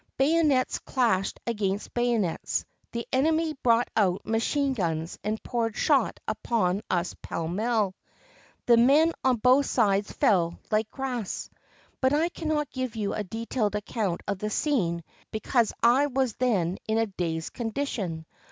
Bayonets clashed against bayonets; the enemy brought out machine guns and poured shot upon us pell mell ; the men on both sides fell like grass. But I cannot give you a detailed account of the scene, because I was then in a dazed condition.